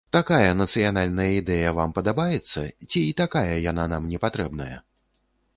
Такая нацыянальная ідэя вам падабаецца ці і такая яна нам не патрэбная?